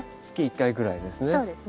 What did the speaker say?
月１回ぐらいですね。